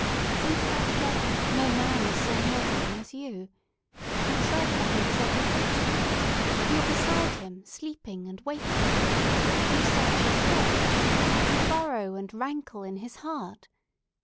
Since that day no man is so near to him as you. You tread behind his every footstep. You are beside him, sleeping and waking. You search his thoughts. You burrow and rankle in his heart!